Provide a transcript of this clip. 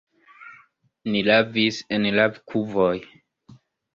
Ni lavis en lavkuvoj.